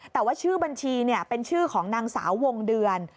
แต่ว่าชื่อบัญชีเป็นชื่อของนางสาววงเดือน